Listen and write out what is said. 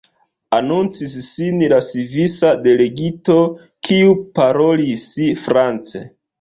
Anoncis sin la svisa delegito, kiu parolis france.